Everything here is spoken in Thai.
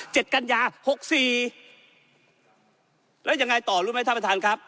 กัญญาหกสี่แล้วยังไงต่อรู้ไหมท่านประธานครับ